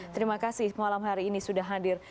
terima kasih malam hari ini sudah hadir